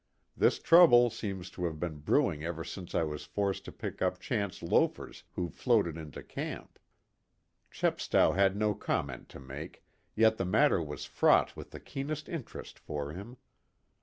This trouble seems to have been brewing ever since I was forced to pick up chance loafers who floated into camp." Chepstow had no comment to make, yet the matter was fraught with the keenest interest for him.